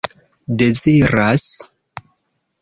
deziras